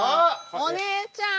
お姉ちゃん！